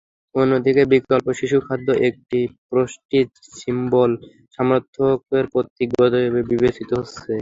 অন্যদিকে বিকল্প শিশুখাদ্য একটি প্রেস্টিজ সিম্বল, সামর্থ্যের প্রতীক বলে বিবেচিত হচ্ছে।